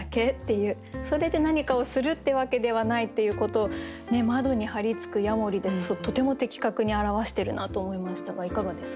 それで何かをするってわけではないっていうことを「窓に張りつくヤモリ」でとても的確に表してるなと思いましたがいかがですか？